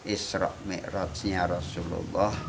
isroq mikrochnya rasulullah